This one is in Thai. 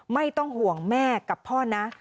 ไม่ต้องห่วงแม่กับพ่อนะ